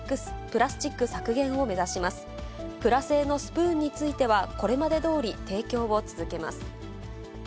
プラ製のスプーンについては、これまでどおり提供を続けます。